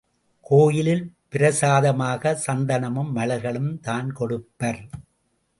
கோயிலில் பிரசாதமாக சந்தனமும் மலர்களும் தான் கொடுப்பர்.